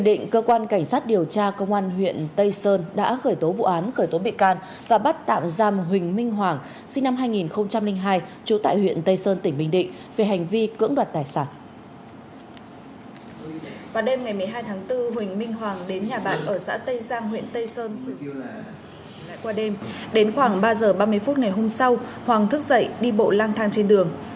đến khoảng ba giờ ba mươi phút ngày hôm sau hoàng thức dậy đi bộ lang thang trên đường